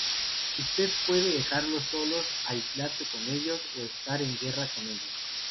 Usted puede dejarlos solos, aliarse con ellos, o estar en guerra con ellos.